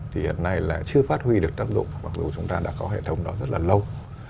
thì hiện nay là chưa phát huy được tác dụng mặc dù chúng ta đã có hệ thống đó rất là lâu